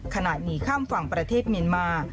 หนีข้ามฝั่งประเทศเมียนมา